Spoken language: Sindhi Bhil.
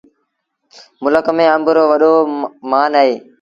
ملڪ ميݩ آݩب رو وڏو مآݩ اهي۔